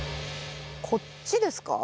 こっちですか？